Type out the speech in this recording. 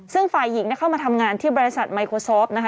ซึ่งฝ่ายหญิงเข้ามาทำงานที่บริษัทไมโครโซฟนะคะ